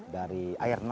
dari kementerian lhk